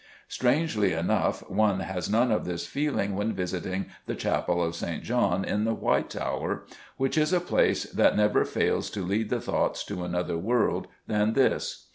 Strangely enough, one has none of this feeling when visiting the Chapel of St. John in the White Tower, which is a place that never fails to lead the thoughts to another world than this.